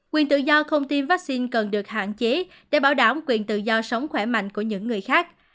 quyền tự do không tiêm vaccine cần được hạn chế để bảo đảm quyền tự do sống khỏe mạnh của những người khác